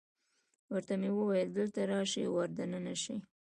ورته مې وویل: دلته راشئ، ور دننه شئ.